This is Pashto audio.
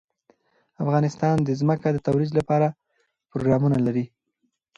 افغانستان د ځمکه د ترویج لپاره پروګرامونه لري.